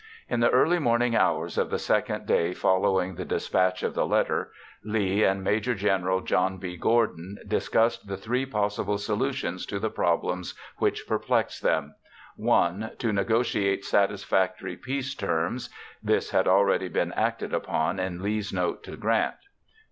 In the early morning hours of the second day following the dispatch of the letter, Lee and Maj. Gen. John B. Gordon discussed the three possible solutions to the problem which perplexed them: (1) Try to negotiate satisfactory peace terms. (This had already been acted upon in Lee's note to Grant.)